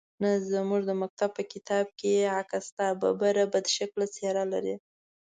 _نه، زموږ د مکتب په کتاب کې يې عکس شته. ببره، بدشکله څېره لري.